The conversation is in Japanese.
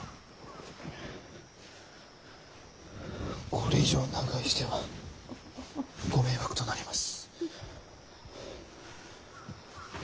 これ以上長居してはご迷惑となります。